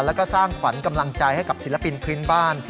แล้วก็สร้างขวัญกำลังใจให้กับศิลปินพื้นบ้าน